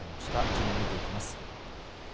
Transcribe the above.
順に見ていきます。